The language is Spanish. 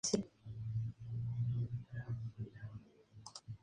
Fernando de la Rosa fue compañero de Juanito Moreno.